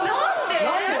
何で？